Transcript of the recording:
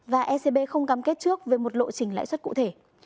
và ecb không cắm kết trước về một lộ trình lãi xuất cụ thể